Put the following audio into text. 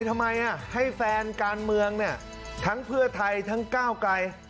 ทำไมให้แฟนการเมืองเนี่ยทั้งเพื่อไทยทั้งก้าวไกล